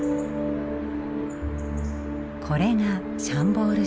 これがシャンボール城。